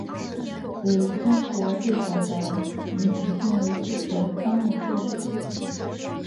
为中国最早的以女性为诉求的刊物之一。